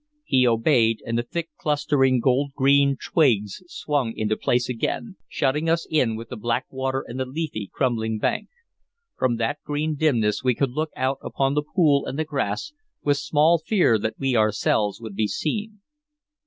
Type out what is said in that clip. He obeyed, and the thick clustering gold green twigs swung into place again, shutting us in with the black water and the leafy, crumbling bank. From that green dimness we could look out upon the pool and the grass, with small fear that we ourselves would be seen.